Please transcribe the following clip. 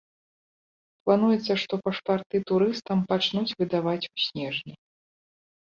Плануецца, што пашпарты турыстам пачнуць выдаваць у снежні.